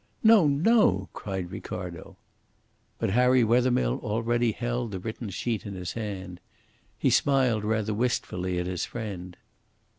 "No, no," cried Ricardo. But Harry Wethermill already held the written sheet in his hand. He smiled rather wistfully at his friend.